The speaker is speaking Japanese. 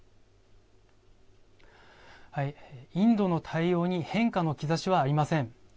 インドの対応に変化の兆しはありません。